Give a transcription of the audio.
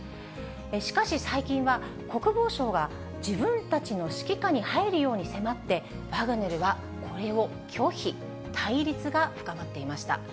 しかし、最近は、国防省が自分たちの指揮下に入るように迫って、ワグネルはこれを拒否、対立が深まっていました。